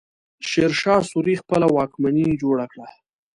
شېرشاه سوري خپله واکمني جوړه کړه.